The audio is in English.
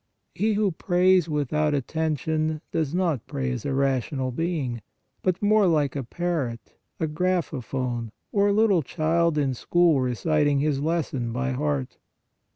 He who prays without attention does not pray as a rational being, but more like a parrot, a graphophone, or a little child in school reciting his lesson by heart.